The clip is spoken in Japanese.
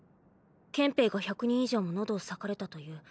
憲兵が１００人以上も喉を裂かれたという。